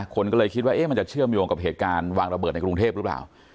คนก็เลยคิดว่ามันจะเชื่อมโยงกับเหตุการณ์วางระเบิดในกรุงเทพหรือเปล่า